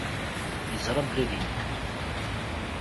Yeẓra belli ad immet.